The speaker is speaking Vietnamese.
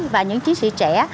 và những chiến sĩ trẻ